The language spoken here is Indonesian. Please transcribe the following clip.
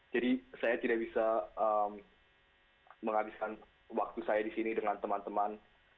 jadi saya tidak bisa menghabiskan waktu saya di sini dengan teman teman